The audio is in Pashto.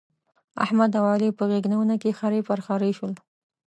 احمد او علي په غېږ نيونه کې خرې پر خرې شول.